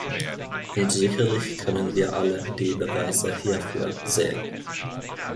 Und sicherlich können wir alle die Beweise hierfür sehen.